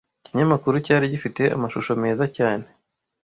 Ikinyamakuru cyari gifite amashusho meza cyane.